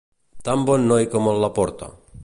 Tan bon noi com el Laporta.